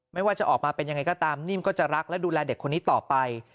ไม่ว่าจะออกมาเป็นยังไงก็ตามนิ่มก็จะรักและดูแลเด็กคนนี้ต่อไป